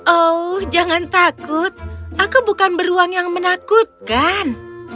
oh jangan takut aku bukan beruang yang menakutkan